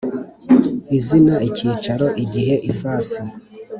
Izina icyicaro igihe ifasi